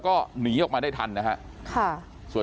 พี่บูรำนี้ลงมาแล้ว